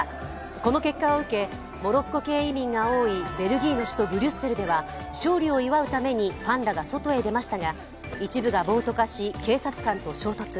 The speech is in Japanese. この結果を受けモロッコ系移民が多いベルギーの首都ブリュッセルでは、勝利を祝うためにファンらが外へ出ましたが一部が暴徒化し、警察官と衝突。